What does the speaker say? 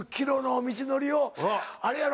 あれやろ？